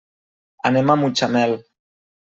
Anem a Mutxamel.